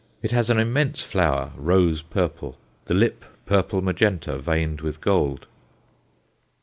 It has an immense flower, rose purple; the lip purple magenta, veined with gold.